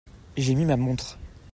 J'ai mis ma montre.